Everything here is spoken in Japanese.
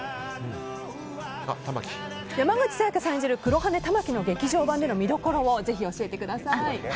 山口紗弥加さん演じる黒羽たまきの劇場版での見どころをぜひ教えてください。